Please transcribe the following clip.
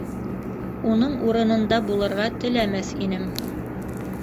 Уның урынында булырға теләмәҫ инем.